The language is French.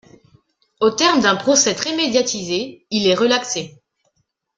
Au terme d'un procès très médiatisé, il est relaxé.